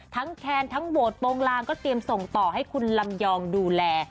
ทั้งแคลนด์ทั้งโหลดโป๊งลางก็เต็มส่งต่อให้คุณลำยองดูแล